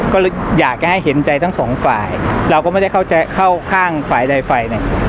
ก็อยากให้เห็นใจทั้งสองฝ่ายเราก็ไม่ได้เข้าข้างฝ่ายใดฝ่าย